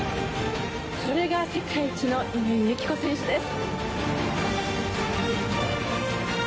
これが世界一の乾友紀子選手です！